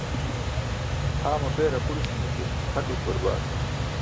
Haa mapeer aqurusi̇mi̇ ke ha tok barbaat.